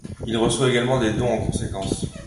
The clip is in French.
Il reçoit également des dons en conséquence.